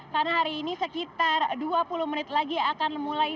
karena hari ini sekitar dua puluh menit lagi akan mulai berdekatan